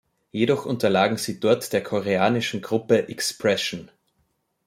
Jedoch unterlagen sie dort der koreanischen Gruppe „Expression“.